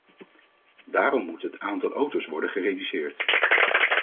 Daarom moet het aantal auto's worden gereduceerd.